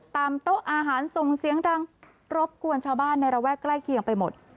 โต๊ะอาหารส่งเสียงดังรบกวนชาวบ้านในระแวกใกล้เคียงไปหมด